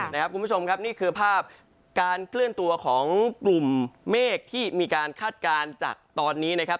คุณผู้ชมครับนี่คือภาพการเคลื่อนตัวของกลุ่มเมฆที่มีการคาดการณ์จากตอนนี้นะครับ